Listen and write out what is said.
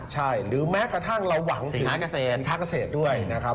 ใช่หรือแม้กระทั่งเราหวังสินค้าเกษตรค้าเกษตรด้วยนะครับ